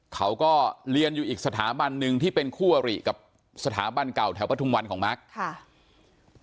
เขาก็เรียนอยู่อีกสถาบันหนึ่งที่เป็นคู่อริกับสถาบันเก่าแถวประทุมวันของมาร์คค่ะ